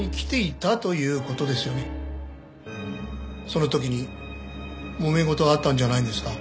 その時にもめ事があったんじゃないんですか？